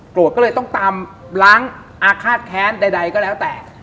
ก็เลยต้องตามล้างอาฆาตแค้นใดก็แล้วแต่